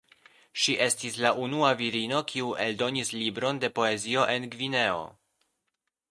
Ŝi estis la unua virino kiu eldonis libron de poezio en Gvineo.